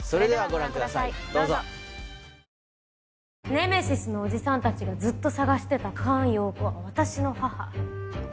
ネメシスのおじさんたちがずっと捜してた菅容子は私の母。